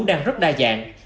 đang rất đa dạng